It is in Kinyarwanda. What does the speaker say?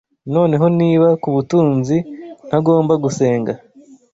Noneho niba kubutunzi ntagomba gusenga